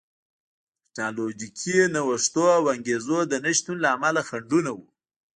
د ټکنالوژیکي نوښتونو او انګېزو د نشتون له امله خنډونه وو